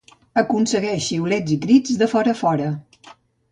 Aconsegueix xiulets i crits de forafora.